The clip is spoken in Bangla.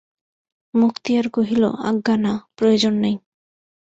মুক্তিয়ার কহিল, আজ্ঞা না, প্রয়োজন নাই।